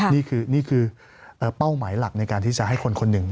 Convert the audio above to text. นี่คือเป้าหมายหลักในการที่จะให้คนคนหนึ่ง